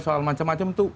soal macam macam itu